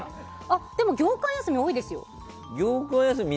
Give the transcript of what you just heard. でも業間休み、多いですよ。